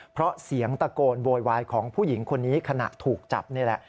เพราะเสียงตะโกนโวยวายของผู้หญิงคนนี้ขณะถูกจับนี่แหละ